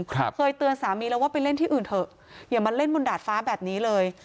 เคยเตือนสามีแล้วว่าไปเล่นที่อื่นเถอะอย่ามาเล่นบนดาดฟ้าแบบนี้เลย